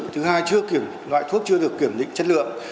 thứ hai loại thuốc chưa được kiểm định chất lượng